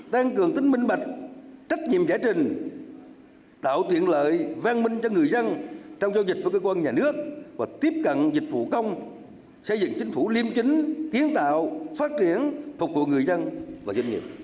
tăng cường tính minh bạch trách nhiệm giải trình tạo tiện lợi vang minh cho người dân trong giao dịch với cơ quan nhà nước và tiếp cận dịch vụ công xây dựng chính phủ liêm chính kiến tạo phát triển phục vụ người dân và doanh nghiệp